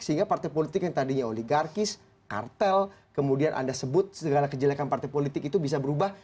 sehingga partai politik yang tadinya oligarkis kartel kemudian anda sebut segala kejelekan partai politik itu bisa berubah